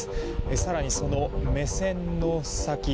更にその目線の先